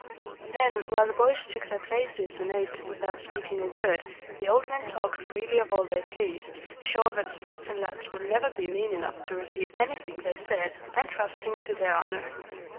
Then, while the boys took their places and ate without speaking a word, the old men talked freely of all they pleased, sure that Spartan lads would never be mean enough to repeat anything they said, and trusting to their honor.